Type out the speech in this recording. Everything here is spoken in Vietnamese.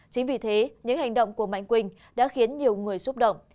chính vì thế những hành động của mạnh quỳnh đã khiến nhiều người xúc động